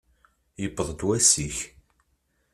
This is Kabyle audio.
Yewweḍ-d wass-ik!